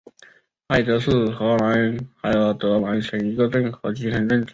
埃德是荷兰海尔德兰省的一个镇和基层政权。